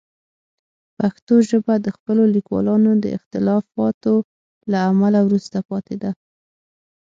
پښتو ژبه د خپلو لیکوالانو د اختلافاتو له امله وروسته پاتې ده.